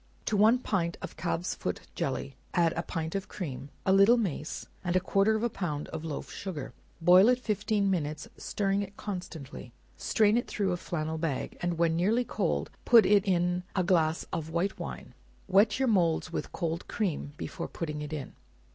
To one pint of calf's foot jelly, add a pint of cream, a little mace, and a quarter of a pound of loaf sugar; boil it fifteen minutes, stirring it constantly; strain it through a flannel bag, and when nearly cold put in n glass of white wine; wet your moulds with cold cream before putting it in.